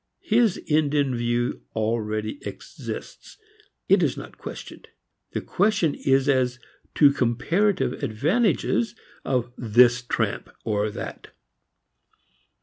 His end in view already exists; it is not questioned. The question is as to comparative advantages of this tramp or that.